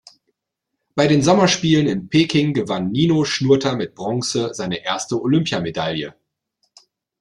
Bei den Sommerspielen in Peking gewann Nino Schurter mit Bronze seine erste Olympiamedaille.